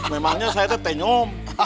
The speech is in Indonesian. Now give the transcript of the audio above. memangnya saya itu tenyom